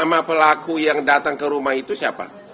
sama pelaku yang datang ke rumah itu siapa